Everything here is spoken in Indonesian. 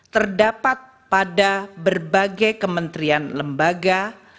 terdapat pada berbagai kementerian lembaga